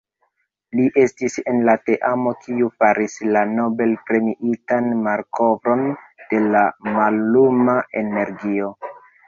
Li estis en la teamo kiu faris la Nobel-premiitan malkovron de la malluma energio.